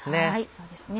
そうですね。